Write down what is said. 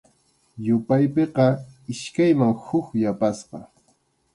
Yupaypiqa iskayman huk yapasqa.